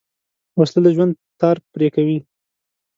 وسله د ژوند تار پرې کوي